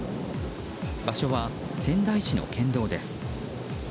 場所は仙台市の県道です。